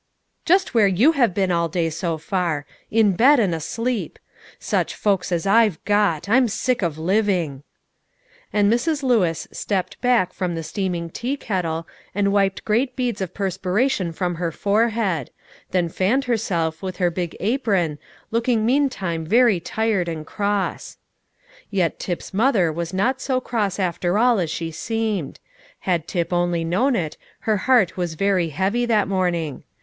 "Just where you have been all day so far, in bed and asleep. Such folks as I've got! I'm sick of living." And Mrs. Lewis stepped back from the steaming tea kettle, and wiped great beads of perspiration from her forehead; then fanned herself with her big apron, looking meantime very tired and cross. Yet Tip's mother was not so cross after all as she seemed; had Tip only known it, her heart was very heavy that morning.